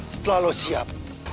setelah lo siap